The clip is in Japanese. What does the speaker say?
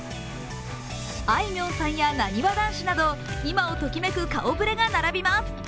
あいみょんさんやなにわ男子など、今をときめく顔ぶれが並びます。